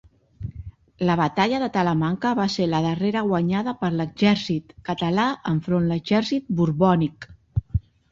La batalla de Talamanca va ser la darrera guanyada per l'exèrcit català enfront l'exèrcit borbònic.